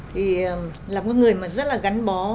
thì là một người mà rất là gắn bó